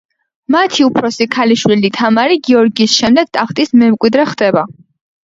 მათი უფროსი ქალიშვილი თამარი გიორგის შემდეგ ტახტის მემკვიდრე ხდება.